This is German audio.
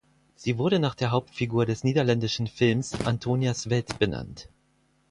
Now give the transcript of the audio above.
Sie wurde nach der Hauptfigur des niederländischen Films Antonias Welt benannt.